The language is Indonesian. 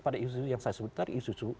pada isu isu yang saya sebut tadi isu isu